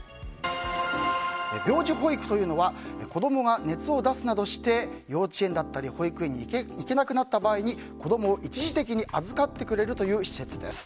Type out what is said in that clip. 病児保育というのは子供が熱を出すなどして保育園や幼稚園などに行けなくなった場合に子供を一時的に預かってくれる施設です。